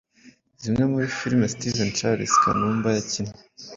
zimwe muri filime Steven Charles Kanumba yakinnye